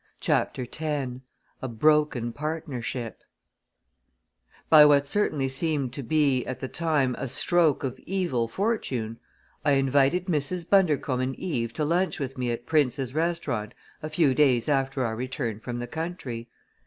CHAPTER X A BROKEN PARTNERSHIP By what certainly seemed to be, at the time, a stroke of evil fortune, I invited Mrs. Bundercombe and Eve to lunch with me at Prince's restaurant a few days after our return from the country.